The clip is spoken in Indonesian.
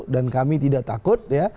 dan kami tidak takut